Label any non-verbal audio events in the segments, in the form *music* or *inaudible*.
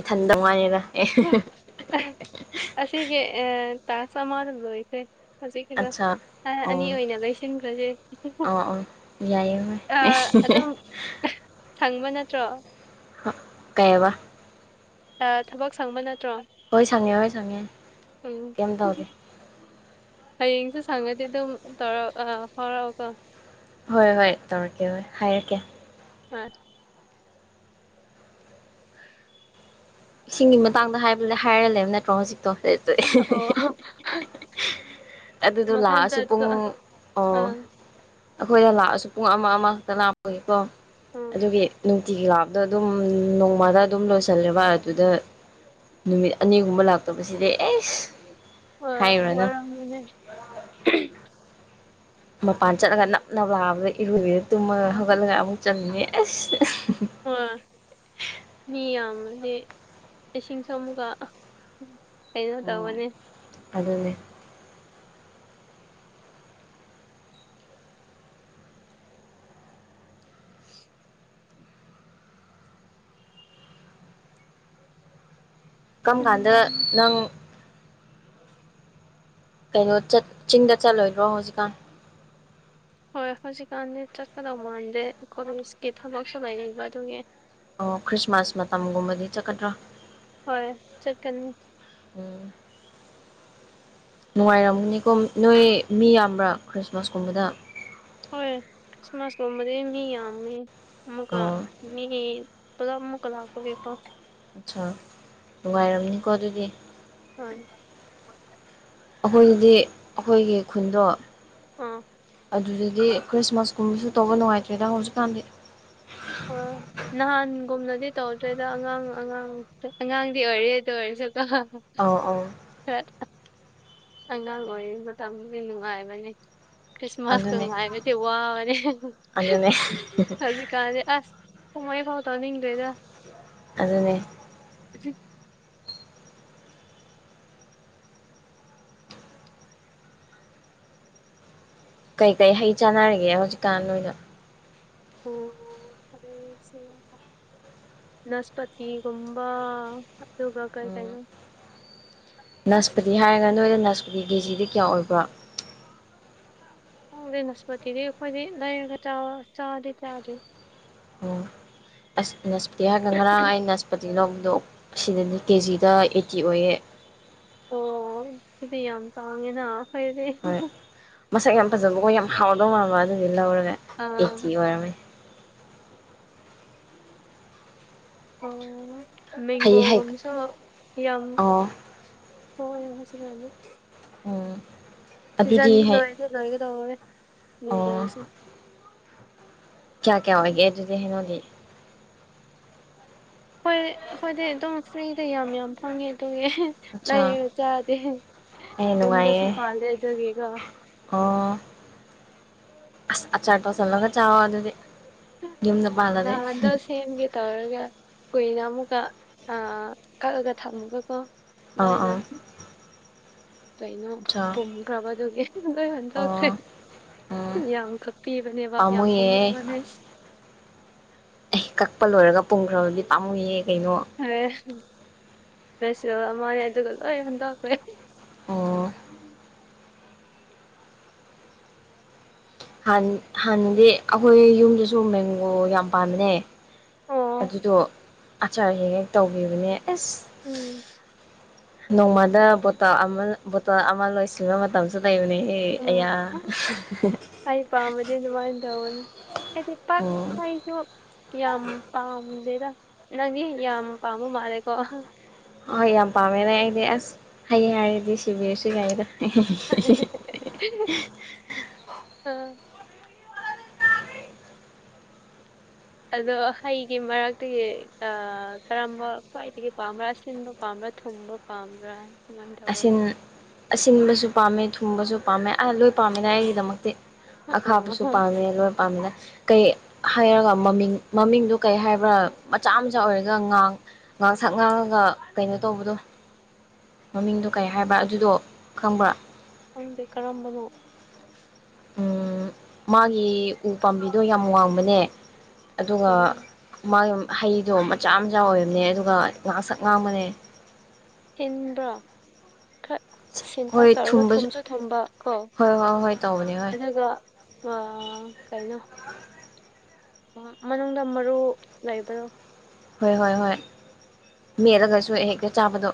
ꯏꯊꯟꯗꯉꯥꯏꯅꯦꯒ ꯑꯦ ꯑꯁꯤ ꯀ ꯑ ꯇ ꯁꯥꯗꯗꯣ ꯏꯦ ꯑꯁꯤꯁꯤ ꯀꯗꯁ ꯑꯠꯆꯥ ꯑꯅꯤ ꯑꯣ ꯑꯣꯏꯅ ꯂꯣꯏꯁꯤꯟꯈ꯭ꯔꯁꯦ ꯑꯣ ꯑꯣ ꯌꯥꯏꯌꯦ ꯍꯣꯏ ꯑꯗꯨꯝ ꯁꯪꯕ ꯅꯠꯇ꯭ꯔꯣ ꯀꯩꯕ ꯊꯕꯛ ꯁꯪꯕ ꯅꯠꯇ꯭ꯔꯣ ꯍꯣꯏ ꯁꯪꯉꯦ ꯍꯣꯏ ꯁꯪꯉꯦ ꯎꯝ ꯀꯩꯝ ꯇꯧꯗꯦ ꯍꯌꯦꯡꯁꯨ ꯁꯪꯉꯗꯤ ꯑꯗꯨꯝ ꯇꯧꯔꯛ ꯑꯥ ꯐꯥꯎꯔꯛꯑꯣꯀꯣ ꯍꯣꯏ ꯍꯣꯏ ꯇꯧꯔꯛꯀꯦ ꯍꯣꯏ ꯍꯥꯏꯔꯛꯀꯦ ꯑ ꯏꯁꯤꯡꯒꯤ ꯃꯇꯥꯡꯗ ꯍꯥꯏꯕ ꯍꯥꯏꯔꯂꯦꯕ ꯅꯠꯇ꯭ꯔꯣ ꯍꯧꯖꯤꯛꯇꯣ ꯑꯣ ꯑꯗꯨꯗꯣ ꯃꯊꯟꯇ ꯂꯥꯛꯑꯁꯨ ꯄꯨꯡ ꯑꯥ ꯑꯣ ꯎꯝ ꯑꯩꯈꯣꯏꯗ ꯂꯥꯛꯑꯁꯨ ꯄꯨꯡ ꯑꯃ ꯑꯃꯈꯛꯇ ꯂꯥꯛꯄꯒꯤꯀꯣ ꯑꯗꯨꯒꯤ ꯇꯤ ꯂꯥꯞꯇ ꯑꯗꯨꯝ ꯅꯣꯡꯃꯗ ꯑꯗꯨꯝ ꯂꯣꯏꯁꯜꯂꯦꯕ ꯑꯗꯨꯗ ꯅꯨꯃꯤꯠ ꯑꯅꯤꯒꯨꯝꯕ ꯂꯥꯛꯇꯕꯁꯤꯗꯤ ꯑꯦꯁ ꯍꯣꯏ ꯍꯥꯏꯔꯨꯔꯅꯨ ꯋꯥꯔꯅꯦ ꯃꯄꯥꯟ ꯆꯠꯂꯒ ꯅꯞ ꯅꯞ ꯂꯥꯑꯕꯗ ꯏꯔꯨꯗꯦꯗ ꯇꯨꯝꯃꯒ ꯍꯧꯒꯠꯂꯒ ꯑꯃꯨꯛ ꯆꯟꯅꯤ ꯑꯁ ꯍꯣꯏ ꯃꯤ ꯌꯥꯝꯃꯗꯤ ꯂꯤꯁꯤꯡꯁꯨ ꯑꯃꯨꯒ ꯀꯩꯅꯣ ꯑꯣ ꯇꯧꯕꯅꯦ ꯑꯗꯨꯅꯦ ꯀꯝ ꯀꯥꯟꯗ ꯎꯝ ꯅꯪ ꯀꯩꯅꯣꯠ ꯆꯤꯡꯗ ꯆꯠꯂꯣꯏꯗ꯭ꯔꯣ ꯍꯧꯖꯤꯛꯀꯥꯟ ꯍꯣꯏ ꯍꯧꯖꯤꯛꯀꯥꯟꯗꯤ ꯆꯠꯀꯗꯧ ꯃꯥꯟꯗꯦ ꯀꯣꯂꯦꯖꯀꯤ ꯊꯕꯛꯁꯨ ꯂꯩ ꯑꯗꯨꯒꯤ ꯑꯣ ꯈ꯭ꯔꯤꯁꯃꯥꯁ ꯃꯇꯝꯒꯨꯝꯕꯗꯤ ꯆꯠꯀꯗ꯭ꯔꯥ ꯍꯣꯏ ꯆꯠꯀꯅꯤ ꯎꯝ ꯅꯨꯡꯉꯥꯏꯔꯝꯒꯅꯤꯀꯣ ꯅꯣꯏ ꯃꯤ ꯌꯥꯝꯕ꯭ꯔꯥ ꯈ꯭ꯔꯤꯁꯃꯥꯁꯀꯨꯝꯕꯗ ꯍꯣꯏ ꯈ꯭ꯔꯤꯁꯃꯥꯁꯀꯨꯝꯕꯗꯤ ꯃꯤ ꯌꯥꯝꯃꯤ ꯑꯃꯨꯛꯀ ꯑꯣ ꯃꯤ ꯄꯂꯃꯨ ꯀ ꯂꯥꯛꯀꯒꯦ ꯄꯥꯎ ꯑꯆꯥꯥ ꯅꯨꯡ ꯋꯥꯥꯏꯔꯝꯅꯤꯀꯣ ꯑꯗꯨꯗꯤ ꯍꯣꯏ ꯑꯩꯈꯣꯏꯒꯤꯗꯤ ꯑꯩꯈꯣꯏꯒꯤ ꯈꯨꯟꯗꯣ ꯑꯥ ꯑꯗꯨꯗꯗꯤ ꯈ꯭ꯔꯤꯁꯃꯥꯁꯀꯨꯝꯕꯁꯨ ꯇꯧꯕ ꯅꯨꯡꯉꯥꯏꯇ꯭ꯔꯦꯗ ꯍꯧꯖꯤꯛꯀꯥꯟꯗꯤ ꯑꯥ ꯅꯍꯥꯟꯒꯨꯝꯅꯗꯤ ꯇꯧꯗ꯭ꯔꯦꯗ ꯑꯉꯥꯡ ꯑꯉꯥꯡ ꯑꯉꯥꯡꯗꯤ ꯑꯣꯏꯔꯤ ꯗꯨ ꯑꯣꯏꯔꯁꯨ ꯀꯣ ꯑꯧ ꯑꯧ *unintelligible* ꯑꯉꯥꯡ ꯑꯣꯏꯔꯤ ꯃꯇꯝꯗꯤ ꯅꯨꯡꯉꯥꯏꯕꯅꯤ ꯈ꯭ꯔꯤꯁꯃꯥꯁ ꯀ ꯑꯗꯨꯅꯦ ꯉꯥꯏꯅꯗꯤ ꯋꯥꯅꯤ ꯑꯗꯨꯅꯦ ꯑꯗꯨ ꯀꯦ ꯑꯁ ꯍꯃꯣꯏ ꯐꯥꯎ ꯇꯣꯅꯤ ꯅꯤꯡ ꯂꯩꯦꯗ ꯑꯗꯨꯅꯦ ꯁꯤ ꯀꯩꯀꯩ ꯍꯩ ꯆꯥꯟꯅꯔꯤꯒꯦ ꯍꯧꯖꯤꯛꯀꯥꯟ ꯅꯣꯏꯅ ꯑꯣ ꯍꯩꯁꯦ ꯅꯥꯁꯄꯇꯤꯒꯨꯝꯕ ꯑꯗꯨꯒ ꯀꯩ ꯀꯩꯅꯣ ꯎꯝ ꯑꯁ ꯅꯁꯄꯇꯤ ꯍꯥꯏꯔꯒ ꯅꯣꯏꯗ ꯅꯥꯁꯄꯥꯇꯤ ꯀꯦꯖꯤꯗꯤ ꯀꯌꯥ ꯑꯣꯏꯕ꯭ꯔꯥ ꯈꯪꯗꯦ ꯅꯥꯁꯄꯇꯤꯗꯤ ꯈꯣꯏꯗꯤ ꯂꯩꯔꯒ ꯆꯥꯕ ꯆꯥꯗꯤ ꯆꯥꯗꯦ ꯑꯣ ꯑꯁ ꯅꯥꯁꯄꯇꯤ ꯍꯥꯏꯔꯒ ꯉꯔꯥꯡ ꯑꯩ ꯅꯥꯁꯄꯇꯤ ꯂꯧꯕꯗꯣ ꯑꯁꯤꯗꯗꯤ ꯀꯦꯖꯤꯗ ꯑꯩꯠꯇꯤ ꯑꯣꯏꯌꯦ ꯑꯣ ꯑꯗꯨꯗꯤ ꯌꯥꯝ ꯇꯥꯡꯉꯦꯅ ꯐꯩꯗꯤ ꯍꯣꯏ ꯃꯁꯛ ꯌꯥꯝ ꯐꯖꯕꯀꯣ ꯌꯥꯝ ꯍꯥꯎꯗꯧ ꯃꯥꯟꯕ ꯑꯗꯨꯒꯤ ꯂꯧꯔꯒ ꯑꯥ ꯑꯩꯠꯇꯤ ꯑꯣꯏꯔꯝꯃꯦ ꯑꯣ ꯍꯩ ꯍꯩ ꯃꯦꯡꯒꯣꯒꯨꯝꯁꯨ ꯌꯥꯝ ꯑꯣ ꯊꯣꯛ ꯑꯦ ꯍꯧꯖꯤꯛ ꯀꯥꯟꯗꯤ ꯎꯝ ꯑꯗꯨꯗꯤ ꯁꯤꯖꯟꯗꯤ ꯍꯩ ꯂꯣꯏ ꯂꯣꯏꯒꯗꯧꯔꯦ ꯑꯣ ꯃꯦꯡꯒꯣꯁꯦ ꯀꯌꯥ ꯀꯌꯥ ꯑꯣꯏꯒꯦ ꯑꯗꯨꯗꯤ ꯍꯩꯅꯧꯗꯤ ꯍꯣꯏ ꯑꯈꯣꯏꯗꯤ ꯑꯗꯨꯝ ꯐ꯭ꯔꯤꯗ ꯌꯥꯝ ꯌꯥꯝ ꯐꯪꯉꯦ ꯑꯗꯨꯒꯤ ꯑꯠꯆꯥ ꯂꯩꯔ ꯆꯥꯗꯦ ꯑꯦ ꯌꯨꯝꯗꯁꯨ ꯅꯨꯡꯉꯥꯏꯌꯦ ꯄꯥꯜ ꯂꯦ ꯑꯗꯨꯒꯤꯀꯣ ꯑꯣ ꯑꯁ ꯑꯆꯥꯔ ꯇꯧꯁꯜꯂꯒ ꯆꯥꯋꯣ ꯑꯗꯨꯗꯤ ꯌꯨꯝꯗ ꯄꯥꯜꯂꯗꯤ *unintelligible* ꯁꯦꯝꯒꯦ ꯇꯧꯔꯒ ꯀꯨꯏꯅ ꯑꯃꯨꯛꯀ ꯑꯥ ꯀꯛꯂꯒ ꯊꯝꯃꯒꯀꯣ ꯑꯥ ꯗꯥꯏꯅ ꯑꯥ ꯂꯣꯏꯅ ꯑꯆꯥ ꯄꯨꯝꯈ꯭ꯔꯕꯗꯨꯒꯤ ꯂꯣꯏ ꯑꯣ ꯍꯨꯟꯇꯣꯛꯈ꯭ꯔꯦ ꯎꯝ ꯌꯥꯝ ꯀꯛ ꯄꯤꯕꯅꯦꯕ ꯌꯥꯝ ꯄꯥꯝꯃꯨꯌꯦ ꯄꯥꯝꯔꯒꯅꯦ ꯑꯩ ꯀꯛꯄ ꯂꯣꯏꯔꯒ ꯄꯨꯡꯈ꯭ꯔꯕꯨꯗꯤ ꯄꯥꯝꯃꯨꯌꯦ ꯀꯩꯅꯣ *unintelligible* ꯑꯗꯨꯒ ꯂꯣꯏ ꯍꯟꯗꯣꯛꯈ꯭ꯔꯦ ꯑꯣ ꯥꯍꯥꯟ ꯍꯥꯟꯅꯗꯤ ꯑꯈꯣꯏ ꯌꯨꯝꯗꯁꯨ ꯃꯦꯡꯒꯣ ꯌꯥꯝ ꯄꯥꯝꯕꯅꯦ ꯑꯣ ꯑꯗꯨꯗꯣ ꯑꯆꯥꯔ ꯍꯦꯛ ꯍꯦꯛ ꯇꯧꯕꯤꯕꯅꯦ ꯑꯦꯁ ꯎꯝ ꯅꯣꯡꯃꯗ ꯕꯣꯇꯜ ꯑꯃ ꯕꯣꯇꯜ ꯑꯃ ꯂꯣꯏꯁꯤ ꯕ ꯃꯇꯝꯁꯨ ꯂꯩꯕꯅꯦ ꯍꯦ ꯎꯝ ꯑꯌꯥ ꯑꯩ ꯄꯥꯝꯕꯗꯤ ꯗꯨꯃꯥꯏꯟ ꯇꯧꯕꯅꯤ ꯑꯩ ꯄꯥꯛ ꯎꯝ *unintelligible* ꯌꯥꯝ ꯄꯥꯝꯗꯦꯗ ꯅꯪꯗꯤ ꯌꯥꯝ ꯄꯥꯝꯕ ꯃꯥꯜꯂꯦꯀꯣ ꯍꯣꯏ ꯌꯥꯝ ꯄꯥꯝꯃꯦꯅꯦ ꯑꯩꯗꯤ ꯑꯁ ꯍꯩ ꯍꯥꯏꯔꯗꯤ ꯁꯤꯕꯤꯔꯁꯨ ꯌꯥꯏꯗ ꯑꯥ ꯑꯗꯣ ꯍꯩꯒꯤ ꯃꯔꯛꯇꯒꯤ ꯑꯥ ꯀꯔꯝꯕ ꯈ꯭ꯋꯥꯏꯗꯒꯤ ꯄꯥꯝꯕ꯭ꯔꯥ ꯑꯁꯤꯟꯕ ꯄꯥꯝꯕ꯭ꯔꯥ ꯊꯨꯃꯕ ꯄꯥꯝꯗꯔ꯭ꯦ ꯑꯁꯤꯟ ꯑꯁꯤꯟꯕꯁꯨ ꯄꯥꯝꯃꯦ ꯊꯨꯝꯕꯁꯨ ꯄꯥꯝꯃꯦ ꯑ ꯂꯣꯏ ꯄꯥꯝꯃꯤꯅ ꯑꯩꯒꯤꯗꯃꯛꯇꯤ ꯑꯈꯥꯕꯁꯨ ꯑꯥ, ꯄꯥꯝꯃꯦ ꯂꯣꯏ ꯄꯥꯝꯅ ꯀꯩ ꯍꯥꯏꯔꯒ ꯃꯃꯤꯡ ꯃꯃꯤꯡꯗꯨ ꯀꯩ ꯍꯥꯏꯕ꯭ꯔꯥ ꯃꯆꯥ ꯃꯆꯥ ꯑꯣꯏꯔꯒ ꯉꯥꯡ ꯉꯥꯛ ꯁꯛ ꯉꯥꯡꯉꯒ ꯀꯩꯅꯣ ꯇꯧꯕꯗꯣ ꯃꯃꯤꯡꯗꯣ ꯀꯩ ꯍꯥꯏꯕ꯭ꯔ ꯑꯗꯨꯗꯣ ꯈꯪꯕ꯭ꯔꯥ ꯈꯪꯗꯦ ꯀꯔꯝꯕꯅꯣ ꯎꯃ ꯃꯥꯒꯤ ꯎ ꯄꯥꯝꯕꯤꯗꯣ ꯌꯥꯝ ꯋꯥꯡꯕꯅꯦ ꯑꯗꯨꯒ ꯎꯝ, ꯃꯥꯒꯤ ꯍꯩꯗꯣ ꯃꯆꯥ ꯃꯆꯥ ꯑꯣꯏꯕꯅꯦ ꯑꯗꯨꯒ ꯉꯥꯛ ꯁꯛ ꯉꯥꯡꯕꯅꯦ ꯍꯤꯟꯕ꯭ꯔꯥ ꯈꯔ ꯁꯤꯟꯇꯛ ꯍꯣꯏ ꯇꯧꯔꯒ ꯊꯨꯝꯕꯁꯨ ꯊꯨꯝꯁꯨ ꯊꯨꯝꯕ ꯀꯣ ꯍꯣꯏ ꯍꯣꯏ ꯍꯣꯏ ꯇꯧꯕꯅꯦ ꯍꯣꯏ ꯑꯗꯨꯒ ꯑꯥ ꯀꯩꯅꯣ *inaudible* ꯃꯅꯨꯡꯗ ꯃꯔꯨ ꯂꯩꯕꯗꯣ ꯍꯣꯏ ꯍꯣꯏ ꯍꯣꯏ ꯎꯝ ꯃꯦꯠꯂꯒꯁꯨ ꯍꯦꯛꯇ ꯆꯥꯕꯗꯣ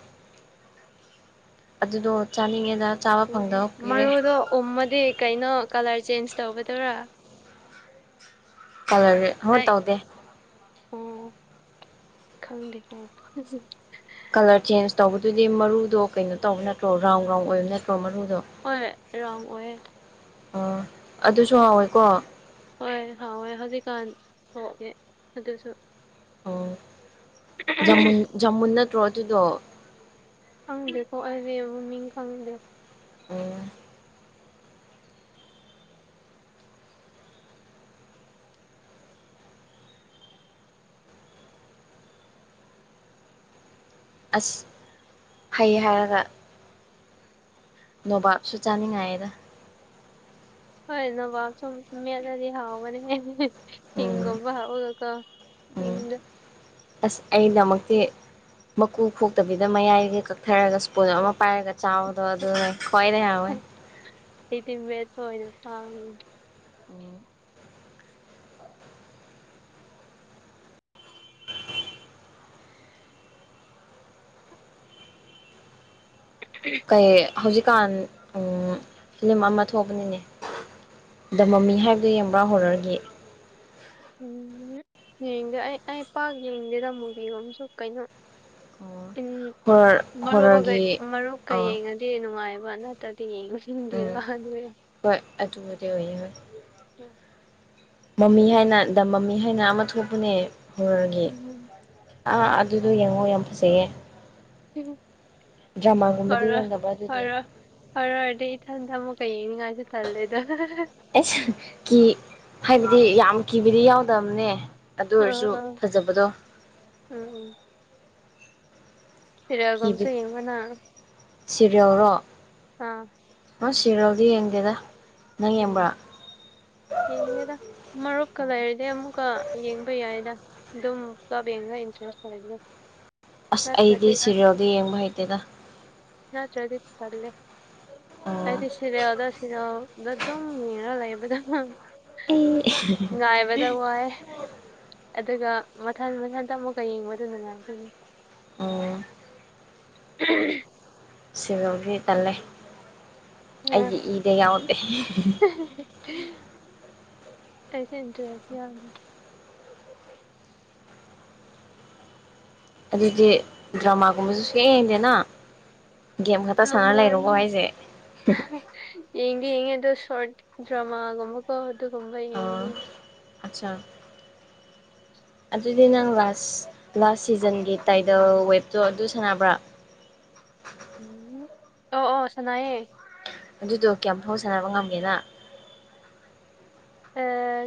ꯑꯗꯨꯗꯣ ꯆꯥꯅꯤꯡꯉꯦꯗ ꯆꯥꯕ ꯐꯪꯗꯕ ꯎꯝ, ꯀꯨꯏꯔꯦ ꯃꯔꯨꯗꯣ ꯎꯝꯃꯗꯤ ꯀꯩꯅꯣ ꯀꯂꯔ ꯆꯦꯟꯖ ꯇꯧꯒꯗꯣꯏꯔꯥ ꯀꯂꯔ *unintelligible* ꯑꯩ ꯇꯧꯗꯦ ꯑꯣ ꯈꯪꯗꯦꯀꯣ ꯀꯂꯔ ꯆꯦꯟꯖ ꯇꯧꯕꯗꯨꯗꯤ ꯃꯔꯨꯗꯣ ꯀꯩꯅꯣ ꯇꯧꯕ ꯅꯠꯇ꯭ꯔꯣ ꯔꯥꯎꯟ ꯔꯥꯎꯟ ꯑꯣꯏꯕ ꯅꯠꯇ꯭ꯔꯣ ꯃꯔꯨꯗꯣ ꯍꯣꯏ ꯔꯥꯎꯟ ꯑꯣꯏꯌꯦ ꯑꯣ ꯑꯗꯨꯁꯨ ꯍꯥꯎꯋꯦꯀꯣ ꯍꯣꯏ ꯍꯥꯎꯋꯦ ꯍꯧꯖꯤꯛꯀꯥꯟ ꯊꯣꯛꯑꯦ ꯑꯗꯨꯁꯨ ꯎꯝ ꯖꯃꯨꯟ ꯖꯃꯨꯟ ꯅꯠꯇ꯭ꯔꯣ ꯑꯗꯨꯗꯣ ꯈꯪꯗꯦꯀꯣ ꯑꯩꯗꯤ ꯃꯃꯤꯡ ꯈꯪꯗꯦ ꯑꯣ ꯑꯁ ꯍꯩ ꯍꯥꯏꯔꯒ ꯅꯣꯕꯥꯞꯁꯨ ꯆꯥꯅꯤꯡꯉꯥꯏꯗ ꯍꯣꯏ ꯅꯕꯥꯞ ꯁꯨꯝ ꯃꯦꯠꯂꯗꯤ ꯍꯥꯎꯒꯅꯤ ꯍꯤꯡ ꯎꯝ ꯒꯨꯝꯕ ꯍꯥꯞꯔꯒ ꯀꯣ ꯎꯝ ꯍꯤꯡꯗꯣ ꯑꯁ ꯑꯩꯗꯃꯛꯇꯤ ꯃꯀꯨ ꯈꯣꯛꯇꯕꯤꯗ ꯃꯌꯥꯏꯖꯤ ꯀꯛꯊꯔꯒ ꯁ꯭ꯄꯨꯟ ꯑꯃ ꯄꯥꯏꯔꯒ ꯆꯥꯕꯗꯣ ꯑꯗꯨꯅ ꯈ꯭ꯋꯥꯏꯗꯩ ꯍꯥꯎꯋꯦ ꯑꯩꯗꯤ ꯃꯦꯠꯄ ꯑꯣꯏꯅ ꯄꯥꯝꯃꯦ ꯎꯝ *unintelligible* ꯀꯩ ꯍꯧꯖꯤꯛꯀꯥꯟ ꯐꯤꯂꯤꯝ ꯑꯃ ꯊꯣꯛꯄꯅꯤꯅꯦ ꯗ ꯃꯃꯤ ꯍꯥꯏꯕꯗꯨ ꯌꯦꯡꯕ꯭ꯔꯥ ꯍꯣꯔꯔꯒꯤ ꯎꯝ ꯌꯦꯡꯗꯦ ꯑꯩ ꯑꯩ ꯄꯥꯛ ꯌꯦꯡꯗꯦꯗ ꯃꯨꯕꯤꯒꯨꯝꯁꯨ ꯀꯩꯅꯣ ꯑꯣ ꯎꯝ ꯍꯣꯔꯔ ꯃꯔꯨꯞꯒꯩ ꯍꯣꯔꯔꯒꯤ ꯃꯔꯨꯞꯀ ꯑ ꯌꯦꯡꯉ ꯗꯤ ꯅꯨꯡꯉꯥꯏꯑꯕ ꯅꯠꯇꯔ꯭ꯗꯤ ꯌꯦꯡꯅꯤꯡꯗꯦꯕ ꯎꯝ ꯑꯗꯨꯒꯤ ꯍꯣꯏ ꯑꯗꯨꯕꯨꯗꯤ ꯑꯣꯏꯌꯦ ꯍꯣꯏ ꯎꯝ ꯃꯃꯤ ꯍꯥꯏꯅ ꯗ ꯃꯃꯤ ꯍꯥꯏꯅ ꯑꯃ ꯊꯣꯛꯄꯅꯦ ꯍꯣꯔꯔꯒꯤ ꯎꯝ ꯑꯥ ꯑꯗꯨꯗꯣ ꯌꯦꯡꯉꯣ ꯌꯥꯝ ꯐꯖꯩꯌꯦ ꯗ꯭ꯔꯃꯥꯒꯨꯝꯕꯗꯤ ꯍꯣꯔꯔ ꯌꯦꯡꯗꯕ ꯑꯗꯨꯗꯤ ꯍꯣꯔꯔ ꯍꯣꯔꯔꯗꯤ ꯏꯊꯟꯗ ꯑꯃꯨꯛꯀ ꯌꯦꯡꯅꯤꯡꯉꯥꯏꯁꯨ ꯇꯜꯂꯦꯗ ꯑꯩꯁ ꯀꯤ ꯍꯥꯏꯕꯗꯤ ꯌꯥꯝ ꯀꯤꯕꯗꯤ ꯌꯥꯎꯗꯕꯅꯦ ꯑꯗꯨ ꯑꯥ ꯑꯣꯏꯔꯁꯨ ꯑꯥ ꯐꯖꯕꯗꯣ ꯎꯝ ꯎꯝ ꯀꯤꯕꯤ *unintelligible* ꯌꯦꯡꯕꯔ ꯅꯪ ꯁꯤꯔꯤꯌꯦꯜꯔꯣ ꯑꯥ ꯍꯁꯤꯔꯣꯗꯤ ꯌꯦꯡꯗꯦꯗ ꯅꯪ ꯎꯝ ꯌꯦꯡꯕ꯭ꯔꯥ ꯌꯦꯡꯅꯦꯦꯗ ꯃꯔꯨꯞꯀ ꯂꯩꯔꯗꯤꯩ ꯑꯃꯨꯛꯀ ꯌꯦꯡꯕ ꯌꯥꯏꯗ ꯑꯗꯨꯝ ꯇꯕ ꯌꯦꯒ ꯏꯟꯇꯔꯦꯁ ꯑꯣꯏꯒ ꯑꯁ ꯑꯩꯗꯤ ꯁꯤꯦꯔꯤꯜꯗꯣ ꯌꯦꯡꯕ ꯍꯩꯇꯦꯗ ꯅ ꯆ꯭ꯔꯗꯤꯂꯦ ꯑꯣ ꯍꯥꯏꯗꯤ ꯁꯤꯔꯦ ꯑꯣꯗꯁꯤꯅ ꯑꯗꯣ ꯑꯗꯨꯨꯝ ꯌꯦꯡꯔ ꯂꯩꯕꯗ ꯑꯩ ꯉꯥꯏꯕꯗ ꯋꯥꯏꯦ ꯑꯗꯨꯒ ꯃꯊꯟ ꯃꯊꯟꯇ ꯑꯃꯨꯛꯀ ꯌꯦꯡꯕꯗꯨꯅ ꯉꯇꯒꯤ ꯑꯣ *unintelligible* ꯁꯦꯔꯦꯜꯗꯤ ꯇꯜꯂꯦ ꯑꯩꯒꯤ ꯏꯗ ꯌꯥꯎꯗꯦ *unintelligible* ꯑꯩꯁꯨ ꯏꯟꯇꯔꯦꯁ ꯌꯥꯝ ꯑꯗꯨꯗꯤ ꯗ꯭ꯔꯃꯥꯒꯨꯝꯕꯁꯨ ꯁꯨꯌꯦꯡ ꯌꯦꯡꯗꯦ ꯅ *unintelligible* ꯍꯥꯏꯁꯦ ꯌꯦꯡꯗꯤ ꯌꯦꯡꯉꯦ ꯑꯗꯨ ꯁꯣꯔꯠ ꯗ꯭ꯔꯃꯥꯒꯨꯝꯕꯀꯣ ꯑꯗꯨꯒꯨꯝꯕ ꯌꯦꯡꯉꯦ ꯑꯆꯥ *inaudible* ꯑꯗꯨꯗꯤ ꯅꯪ ꯂꯥꯁ ꯂꯥꯁ ꯁꯤꯖꯟꯒꯤ ꯇꯥꯏꯗꯜ ꯋꯦꯞꯇꯣ ꯑꯗꯨ ꯁꯥꯟꯅꯕ꯭ꯔꯥ ꯎꯝ ꯑꯣ ꯑꯣ ꯁꯅꯥꯥꯏꯦ ꯑꯗꯨꯗꯣ ꯀꯌꯥꯝꯐꯥꯎ ꯁꯥꯟꯅꯕ ꯉꯝꯒꯦꯅ ꯑ꯫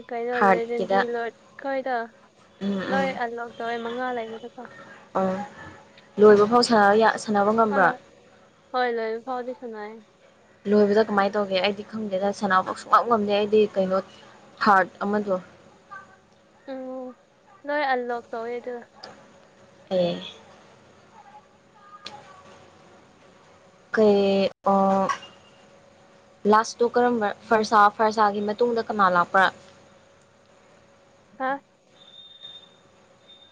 ꯀꯩꯅꯣ ꯂꯦꯖꯦꯟꯁꯤ ꯍꯥꯔꯠꯀꯤꯗ ꯂꯣꯗ ꯈꯣꯏꯗ ꯎꯝ ꯂꯣꯏ ꯎꯝ ꯑꯟꯂꯣꯛ ꯇꯧꯋꯦ ꯃꯉꯥ ꯂꯩꯕꯗꯀꯣ꯫ ꯑ ꯂꯣꯏꯕ ꯐꯥꯎ ꯁꯥꯟꯅꯕ ꯉꯝꯕ꯭ꯔꯥ꯫ ꯑꯥ ꯍꯣꯏ ꯂꯣꯏ ꯐꯥꯎꯗꯤꯁꯨ ꯁꯥꯅꯥꯏ꯫ ꯂꯣꯏꯕꯗ ꯀꯃꯥꯏꯅ ꯇꯧꯒꯦ ꯑꯩꯗꯤ ꯈꯪꯗꯦꯗ ꯁꯅꯥꯕꯨ ꯁꯨꯡꯉꯝ ꯉꯝꯗꯦ ꯑꯩꯗꯤ ꯀꯩꯅꯣ ꯍꯥꯥꯔꯠ ꯑꯃꯗꯣ꯫ ꯎꯝ ꯅꯣꯏ ꯑꯟꯂꯣꯛ ꯇꯧꯋꯦ ꯑꯗꯨ꯫ ꯎ ꯀꯩ ꯂꯥꯁꯇꯣ ꯀꯔꯝꯕ ꯐꯔꯁꯥ ꯐꯔꯁꯥꯒꯤ ꯃꯇꯨꯡꯗ ꯀꯅꯥ ꯂꯥꯛꯄ꯭ꯔꯥ ꯍꯥ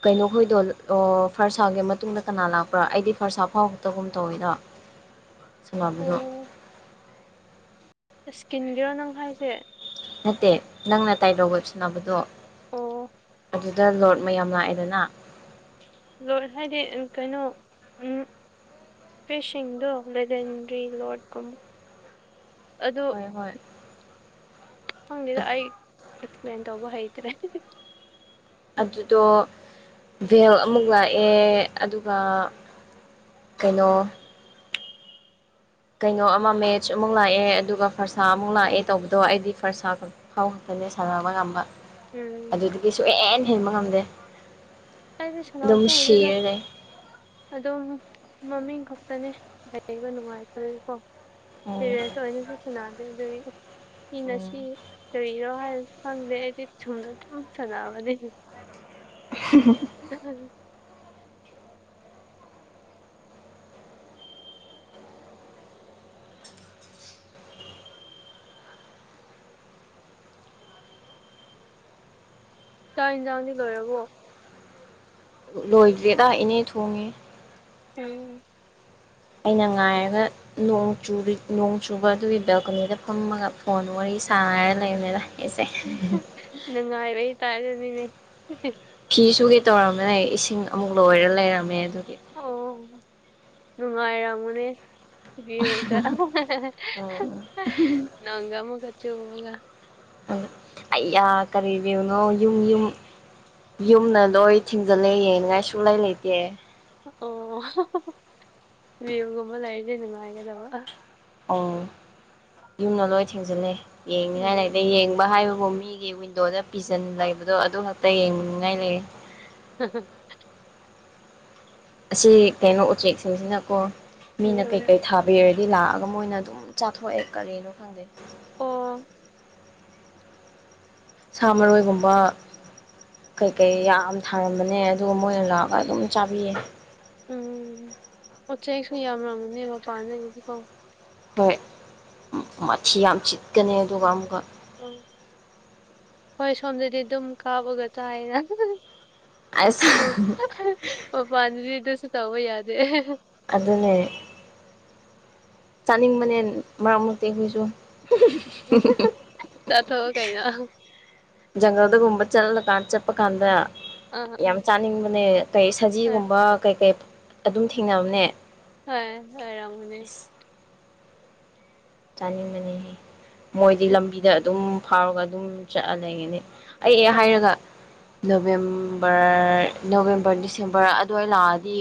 ꯀꯩꯅꯣꯈꯣꯏꯗꯣ ꯐꯔꯁꯥꯒꯤ ꯃꯇꯨꯡꯗ ꯀꯅꯥ ꯂꯥꯛꯄ꯭ꯔꯥ ꯑꯩꯗꯤ ꯐꯔꯁꯥ ꯐꯥꯎꯕꯛꯇꯒꯨꯝ ꯇꯧꯋꯤꯗꯣ *inaudible* ꯁꯅꯕꯗꯣ꯫ ꯁꯀꯤꯟꯒꯤꯔꯣ ꯅꯪ ꯍꯥꯏꯁꯦ꯫ ꯅꯠꯇꯦ ꯅꯪꯅ ꯇꯥꯏꯔꯣꯒ ꯁꯅꯕꯗꯣ꯫ ꯑꯣ꯫ ꯑꯗꯨꯗ ꯂꯣꯔꯠ ꯃꯌꯥꯝ ꯂꯥꯛꯑꯦꯗꯅ꯫ ꯂꯣꯏ ꯍꯥꯏꯗꯤ ꯀꯩꯅꯣ ꯎꯝ꯫ ꯐꯤꯁꯤꯡꯗꯣ ꯂꯦꯗꯦꯟꯗꯔꯤ ꯂꯣꯔꯠꯀꯨꯝꯕ ꯑꯗꯨ ꯍꯣꯏ ꯍꯣꯏ ꯐꯪꯅꯤꯗ ꯑꯩ ꯑꯦꯛꯁꯄ꯭ꯂꯦꯟ ꯇꯧꯕ ꯍꯩꯇ꯭ꯔꯦ ꯑꯗꯨꯗꯣ ꯚꯦꯜ ꯑꯃꯨꯛ ꯂꯥꯛꯑꯦ ꯑꯗꯨꯒ ꯀꯩꯅꯣ ꯀꯩꯅꯣ ꯑꯃ ꯃꯦꯠꯆ ꯑꯃꯨꯛ ꯂꯥꯛꯑꯦ ꯑꯗꯨꯒ ꯐꯔꯁꯥ ꯑꯃꯨꯛ ꯂꯥꯛꯑꯦ ꯇꯧꯕꯗꯣ ꯑꯩꯗꯤ ꯐꯔꯁꯥ ꯈ ꯊꯥꯎ ꯍꯟꯇꯅꯤ ꯁꯥꯟꯕ ꯉꯝꯝꯕ ꯎꯝ ꯑꯗꯨꯗꯒꯤꯁꯨꯨꯍꯦꯟ ꯍꯦꯟꯕ ꯉꯝꯗꯦ ꯑꯩꯗꯤ ꯑꯗꯨꯝ ꯁꯤꯔ ꯂꯩ ꯑꯗꯣ ꯃꯃꯤꯡ ꯈꯛꯇꯅꯤ ꯂꯩꯕ ꯅꯨꯡꯉꯥꯏꯇꯦꯀꯣ ꯎꯝ ꯄꯦꯔꯦꯟꯁ ꯑꯣꯏꯅꯁꯨ ꯁꯨꯅꯗꯦ ꯑꯗꯨꯗꯒꯤ ꯎꯝ ꯉꯁꯤ ꯀꯧꯕꯔꯤꯔꯣ ꯍꯥꯏꯅꯁꯨ ꯈꯪꯗꯦ ꯑꯩꯗꯤ ꯁꯨꯝꯅ ꯊꯨꯝ ꯁꯥꯟꯅꯑꯕꯅꯦ *unintelligible* ꯎꯝ꯫ ꯆꯥꯛ ꯌꯦꯟꯁꯥꯡꯗꯤ ꯂꯣꯏꯔꯕꯣ꯫ ꯂꯣꯏꯗ꯭꯭ꯔꯦꯗ ꯏꯅꯦ ꯊꯣꯡꯉꯦ꯫ ꯎꯝ ꯑꯩꯅ ꯉꯥꯏꯔꯒ ꯣꯡ ꯆ ꯅꯣꯡ ꯆꯨꯕ ꯑꯗꯨꯒꯤ ꯕꯦꯜꯀꯣꯅꯤꯗ ꯐꯝꯃꯒ ꯐꯣꯟ ꯋꯥꯔꯤ ꯁꯥꯟꯅꯔ ꯂꯩꯔꯝꯅꯤꯗ ꯁꯦ ꯅꯨꯡꯉꯥꯏꯕꯩꯇꯥꯥꯔꯗꯅꯤꯅꯦ ꯐꯤꯁꯨ ꯀꯩ ꯇꯧꯔꯝꯃꯤꯅ ꯏꯁꯤꯡ ꯑꯃꯨꯛ ꯂꯣꯏꯔ ꯂꯩꯔꯝꯃꯦ ꯑꯗꯨꯒꯤ ꯑꯣ ꯅꯨꯡꯉꯥꯏꯔꯝꯃꯨꯅꯦ ꯒ ꯎꯝ ꯅꯪꯒꯥ ꯑꯃ ꯀ ꯆ ꯍꯕꯒ ꯑꯩꯌꯥ ꯀꯔꯤꯔꯤꯕꯨꯅꯣ ꯌꯨꯝ ꯌꯨꯝ ꯌꯨꯝꯅ ꯂꯣꯏ ꯊꯤꯡꯖꯤꯜꯂꯦ ꯌꯦꯡꯅꯤꯡꯉꯥꯏ ꯁꯨꯡꯛꯂꯩ ꯂꯩꯇꯦ ꯑꯣ ꯚꯨꯒꯨꯝꯕ ꯂꯩꯔꯤꯁꯦ ꯅꯨꯡꯉꯥꯏꯒꯗꯕ ꯑ ꯑꯣ ꯌꯨꯝꯗ ꯂꯣꯏ ꯊꯦꯡꯖꯤꯜꯂꯦ ꯌꯦꯡꯅꯤꯡꯉꯥꯏ ꯎꯝ ꯂꯩꯗ ꯌꯦꯡꯕ ꯍꯥꯏꯕꯕꯨ ꯃꯤ ꯍꯥꯏꯗꯤ ꯋꯤꯟꯗꯣꯗ ꯄꯤꯖꯟ ꯂꯩꯕꯗꯣ ꯑꯗꯨ ꯈꯛꯇ ꯌꯦꯡꯅꯤꯡꯉꯥꯏ ꯂꯩꯌꯦ ꯍꯥꯍꯥ꯫ ꯑꯁꯤ ꯀꯩꯅꯣ ꯎꯆꯦꯛꯁꯤꯡꯁꯤꯅꯀꯣ ꯃꯤꯅ ꯎꯝ ꯀꯩꯀꯩ ꯊꯥꯕ꯫ ꯕꯦꯌꯔꯗꯤ ꯂꯥꯛꯑꯒ ꯃꯣꯏꯅ ꯑꯗꯨꯝ ꯆꯥꯊꯣꯛꯑꯦ ꯀꯔꯤꯅꯣ ꯈꯪꯗꯦ꯫ ꯑꯣ꯫ ꯁꯥ ꯃꯔꯣꯏꯒꯨꯝꯕ ꯀꯩꯀꯩ ꯌꯥꯝ ꯊꯥꯔꯝꯕꯅꯦ ꯑꯗꯨꯒ ꯃꯣꯏꯅ ꯂꯥꯛꯑꯒ ꯑꯗꯨꯝ ꯆꯥꯕꯤꯌꯦ꯫ ꯎꯝ ꯎꯆꯦꯛꯁꯨ ꯌꯥꯝꯔꯝꯃꯅꯦꯕ ꯃꯄꯥꯟꯅꯒꯗꯤꯀꯣ꯫ ꯍꯣꯏ ꯃꯊꯤ ꯌꯥꯝ ꯆꯤꯠꯀꯅꯤ ꯑꯗꯨꯒ ꯑꯃꯨꯛꯀ ꯎꯝ ꯍꯣꯏ ꯁꯣꯝꯗꯗꯤ ꯑꯗꯨꯝ ꯀꯥꯕꯒꯒ ꯆꯥꯏꯅ ꯑꯁ ꯑꯣ ꯃꯄꯥꯟꯕꯤꯗꯁꯨ ꯇꯕ ꯌꯥꯗꯦ ꯑꯗꯨꯅꯦ ꯆꯥꯅꯤꯡꯕꯅꯦ ꯃꯔꯛ ꯃꯔꯛꯇꯤ ꯑꯩꯈꯣꯏꯁꯨ ꯆꯠꯊꯣꯛꯑ ꯀꯩꯅꯣ ꯖꯨꯪꯒꯜꯗ ꯒꯨꯝꯕ ꯆꯠꯂ ꯆꯠꯄ ꯀꯥꯟꯗ꯫ ꯑꯥ ꯑꯥ ꯌꯥꯝ ꯆꯥꯅꯤꯡꯕꯅꯦ ꯀꯩ ꯍꯣꯏ ꯁꯖꯤꯒꯨꯝꯕ ꯀꯩ ꯀꯩ ꯑꯗꯨꯝ ꯊꯦꯡꯅꯕꯅꯦ꯫ ꯍꯣꯏ ꯂꯩꯔꯝꯒꯅꯤ꯫ ꯆꯥꯅꯤꯡꯉꯅꯤꯍꯦ ꯃꯣꯏꯗꯤ ꯍꯣꯏ ꯂꯝꯕꯤꯗ ꯑꯗꯨꯝ ꯐꯥꯎꯔꯒ ꯑꯗꯨꯝ ꯆꯠꯂ ꯂꯩꯉꯅꯤ꯫ ꯑꯩꯑꯦ ꯍꯣꯏ ꯍꯥꯏꯔꯒ ꯅꯕꯦꯝꯕꯔ ꯅꯕꯦꯝꯕꯔ ꯗꯤꯁꯦꯝꯕꯔ ꯑꯗꯨꯋꯥꯏ ꯂꯥꯛꯑꯗꯤ